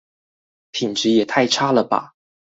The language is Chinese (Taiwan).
品質也太差了吧